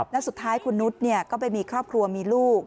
แล้วสุดท้ายคุณนุษย์ก็ไปมีครอบครัวมีลูก